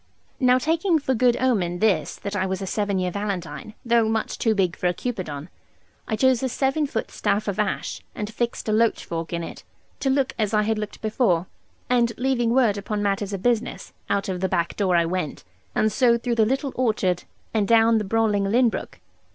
Now taking for good omen this, that I was a seven year Valentine, though much too big for a Cupidon, I chose a seven foot staff of ash, and fixed a loach fork in it, to look as I had looked before; and leaving word upon matters of business, out of the back door I went, and so through the little orchard, and down the brawling Lynn brook.